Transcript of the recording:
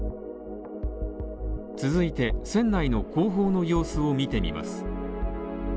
続いて、船内の後方の様子を見てみます。